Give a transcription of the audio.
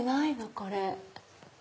これ。